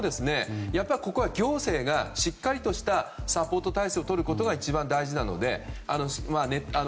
やっぱりここは行政がしっかりとしたサポート体制をとることが一番大事なので。